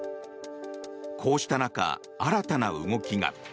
こうした中、新たな動きが。